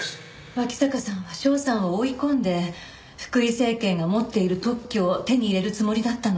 脇坂さんは翔さんを追い込んで福井精研が持っている特許を手に入れるつもりだったの。